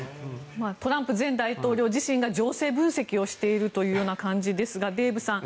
トランプ前大統領自身が情勢分析をしているという感じですがデーブさん